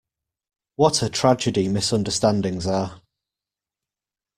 What a tragedy misunderstandings are.